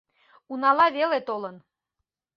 Унала вел толын.